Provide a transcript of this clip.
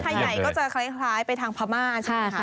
ไทยใหญ่ก็จะคล้ายไปทางพม่าใช่ไหมคะ